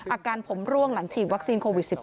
อาการผมร่วงหลังฉีดวัคซีนโควิด๑๙